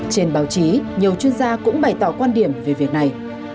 trên báo chí nhiều chuyên gia cũng bày tỏ quan điểm về việc này